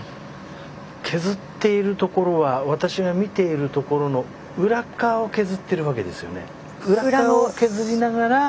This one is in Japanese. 削っている所は私が見ている所の裏側を削ってるわけですよね。